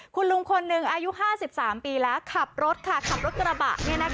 คุณลุงคนหนึ่งอายุห้าสิบสามปีแล้วขับรถกระบะ